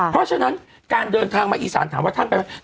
เพราะฉะนั้นการเดินทางมาอีสานถามว่าท่านไปไหม